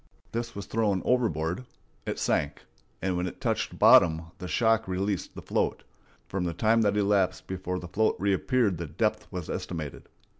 This was thrown overboard. It sank, and when it touched bottom the shock released the float. From the time that elapsed before the float reappeared the depth was estimated.